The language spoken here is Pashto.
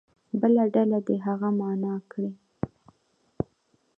بله ډله دې هغه معنا کړي.